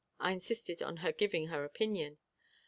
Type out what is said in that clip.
I insisted on her giving her opinion.